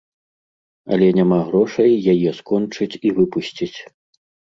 Але няма грошай яе скончыць і выпусціць.